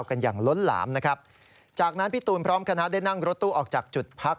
กันอย่างล้นหลามนะครับจากนั้นพี่ตูนพร้อมคณะได้นั่งรถตู้ออกจากจุดพัก